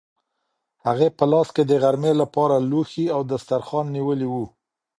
هغې په لاس کې د غرمې لپاره لوښي او دسترخوان نیولي وو.